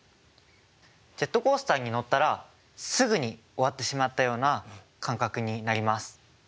ジェットコースターに乗ったらすぐに終わってしまったような感覚になります。